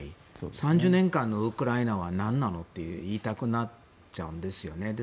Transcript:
３０年間のウクライナは何なのと言いたくなっちゃうんですよね。